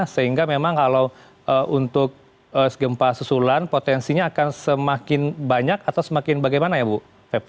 sehingga memang kalau untuk gempa susulan potensinya akan semakin banyak atau semakin bagaimana ya bu fep